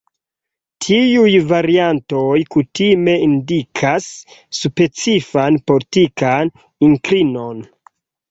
Tiuj variantoj kutime indikas specifan politikan inklinon.